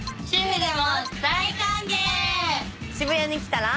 渋谷に来たら。